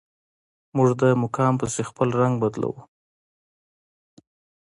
موږ د مقام پسې خپل رنګ بدلوو.